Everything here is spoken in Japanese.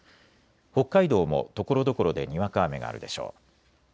北海道もところどころでにわか雨があるでしょう。